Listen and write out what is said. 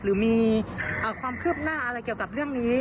หรือมีความคืบหน้าอะไรเกี่ยวกับเรื่องนี้